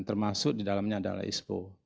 termasuk di dalamnya adalah ispo